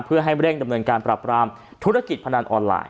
เพื่อให้เร่งดำเนินการปรับรามธุรกิจพนันออนไลน